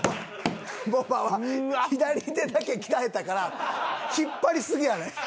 母場は左手だけ鍛えたから引っ張りすぎやね。